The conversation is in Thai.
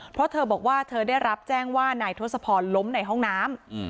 เพราะเธอบอกว่าเธอได้รับแจ้งว่านายทศพรล้มในห้องน้ำ